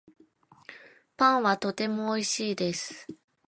パンはとてもおいしいです